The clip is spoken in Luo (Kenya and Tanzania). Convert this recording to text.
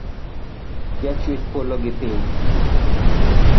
Ja chwech polo gi piny.